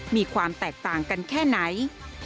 มีความแตกต่างกันแค่ไหน